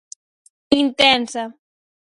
Intensa.